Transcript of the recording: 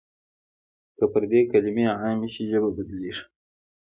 که پردۍ کلمې عامې شي ژبه بدلېږي.